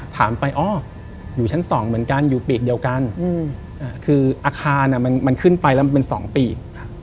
ถามไปอ้ออยู่ชั้น๒เหมือนกันอยู่ปีกเดียวกันคืออาคารมันขึ้นไปแล้วมันเป็น๒ปี